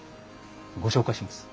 ご紹介します。